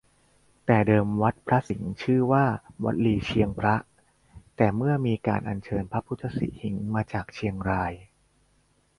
แต่เดิมวัดพระสิงห์ชื่อว่าวัดลีเชียงพระ แต่เมื่อมีการอันเชิญพระพุทธสิหิงค์มาจากเชียงราย